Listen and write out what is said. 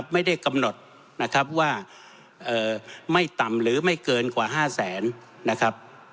ไม่ได้กำหนดว่าไม่ต่ำหรือไม่เกินกว่า๕๐๐๐๐๐บาท